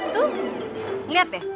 tuh lihat deh